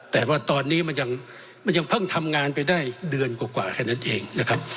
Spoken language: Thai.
แต่ว่าตอนนี้มันยังเพิ่งทำงานไปได้เดือนกว่าแค่นั้นเองนะครับ